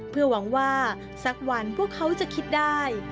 เพื่อหวังว่าสักวันพวกเขาจะคิดได้